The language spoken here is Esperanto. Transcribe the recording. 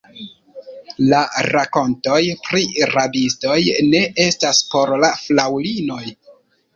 La rakontoj pri rabistoj ne estas por la fraŭlinoj.